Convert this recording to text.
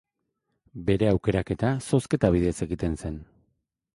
Bere aukeraketa, zozketa bidez egiten zen.